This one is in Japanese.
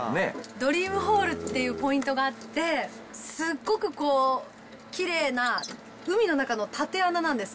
ドリームホールっていうポイントがあって、すっごくきれいな海の中の縦穴なんです。